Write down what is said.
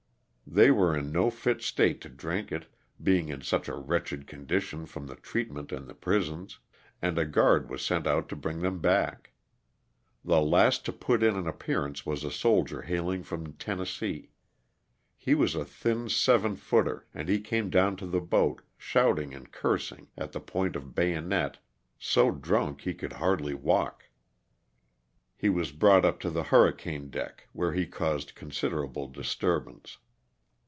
They were in no fit state to drink it — being in such a wretched condition from the treatment in the prisons— and a guard was sent out to bring them back. The last to put in an appearance was a soldier hailing from Tennessee. He was a thin seven footer, and he came down to the boat, shouting and cursing, at the point of bayonets, so drunk he LOSS Of I^Hi) StJLl^AKA. 249 could hardly walk. He was brought up to the hurri cane deck, where he caused considerable disturbance.